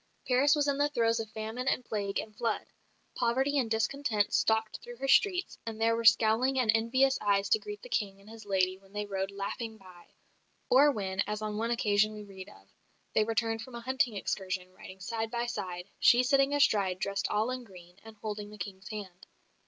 Paris was in the throes of famine and plague and flood. Poverty and discontent stalked through her streets, and there were scowling and envious eyes to greet the King and his lady when they rode laughing by; or when, as on one occasion we read of, they returned from a hunting excursion, riding side by side, "she sitting astride dressed all in green" and holding the King's hand.